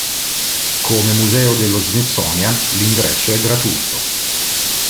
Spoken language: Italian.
Come museo dello Smithsonian, l'ingresso è gratuito.